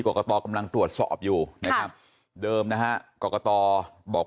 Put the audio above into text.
กรกตกำลังตรวจสอบอยู่นะครับเดิมนะฮะกรกตบอก